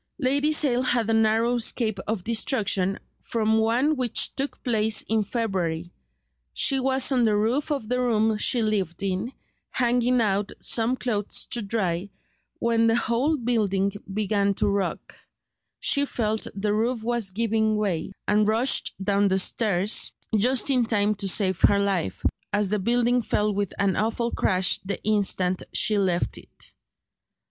Lady Sale had a narrow escape of destruction from one which took place in February. She was on the roof of the room she lived in, hanging out some clothes to dry, when the whole building began to rock; she felt the roof was giving way, and rushed down the stairs, just in time to save her life, as the building fell with an awful crash the instant she left it.